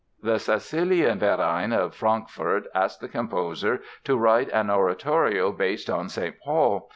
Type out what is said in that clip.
The Cäcilienverein, of Frankfort, asked the composer to write an oratorio based on St. Paul.